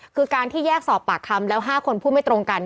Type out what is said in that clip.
คือการที่แยกสอบปากคำแล้ว๕คนพูดไม่ตรงกัน